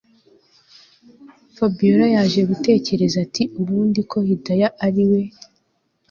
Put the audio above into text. Fabiora yaje gutekereza ati ubundi ko Hidaya ariwe